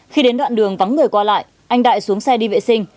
khi đến đoạn đường vắng người qua lại anh đại xuống xe đi vệ sinh